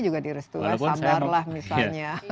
juga direstui sambar lah misalnya